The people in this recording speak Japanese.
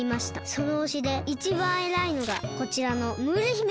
そのほしでいちばんえらいのがこちらのムール姫でございます。